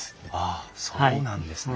あそうなんですね。